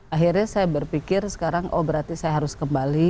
akhirnya saya berpikir sekarang oh berarti saya harus kembali